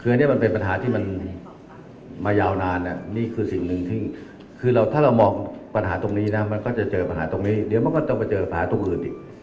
คืออันนี้มันเป็นปัญหาที่มันมายาวนานนี่คือสิ่งหนึ่งที่คือถ้าเรามองปัญหาตรงนี้นะมันก็จะเจอปัญหาตรงนี้เดี๋ยวมันก็ต้องไปเจอปัญหาตรงอื่นอีก